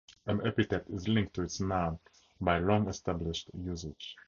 An epithet is linked to its noun by long-established usage.